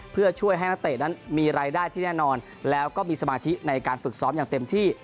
เพื่อช่วยให้นักเตะนั้นมีรายได้ที่แน่นอนแล้วก็มีสมาธิในการฝึกซ้อมอย่างเต็มที่